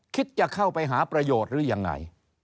จะเข้าไปหาประโยชน์หรือยังไง